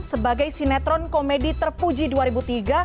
sebagai sinetron komedi terpuji dua ribu tiga